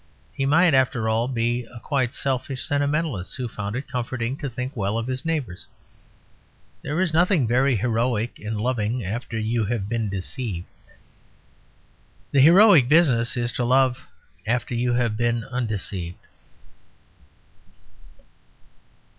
He might, after all, be a quite selfish sentimentalist, who found it comforting to think well of his neighbours. There is nothing very heroic in loving after you have been deceived. The heroic business is to love after you have been undeceived.